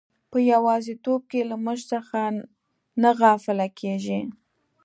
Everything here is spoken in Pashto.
په یوازیتوب کې له موږ څخه نه غافله کیږي.